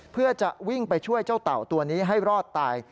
เพื่อจะวิ่งไปช่วยเจ้าเต่าตัวนี้ให้รอดตาย